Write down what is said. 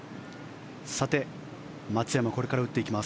さて、松山これから打っていきます